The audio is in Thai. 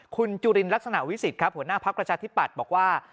คุณจูฤริย์ลักษณะวิสิทธิ์ครับหัวหน้าพระพระชาธิบัตรบอกว่า